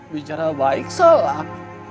bicara baik salah